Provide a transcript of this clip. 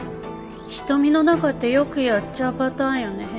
瞳の中ってよくやっちゃうパターンよね。